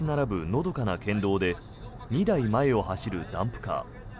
のどかな県道で２台前を走るダンプカー。